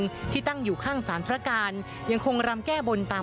บริเวณหน้าสารพระการอำเภอเมืองจังหวัดลบบุรี